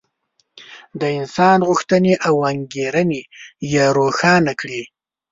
د انسان غوښتنې او انګېرنې یې روښانه کړې.